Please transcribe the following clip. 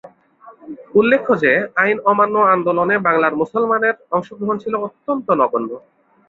উল্লেখ্য যে, আইন অমান্য আন্দোলনে বাংলার মুসলমানের অংশগ্রহণ ছিল অত্যন্ত নগণ্য।